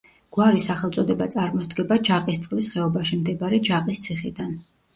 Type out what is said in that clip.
გვარის სახელწოდება წარმოსდგება ჯაყისწყლის ხეობაში მდებარე ჯაყის ციხიდან.